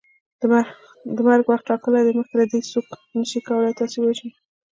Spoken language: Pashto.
د مرګ وخت ټاکلی دی مخکي له دې هیڅوک نسي کولی تاسو ووژني